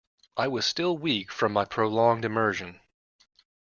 I was still weak from my prolonged immersion.